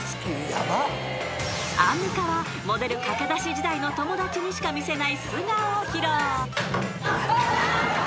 ［アンミカはモデル駆け出し時代の友達にしか見せない素顔を披露］